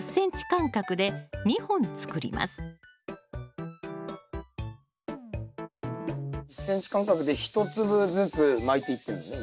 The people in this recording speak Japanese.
１ｃｍ間隔で１粒ずつまいていってるのね